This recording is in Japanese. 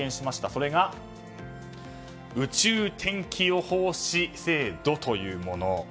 それが宇宙天気予報士制度というもの。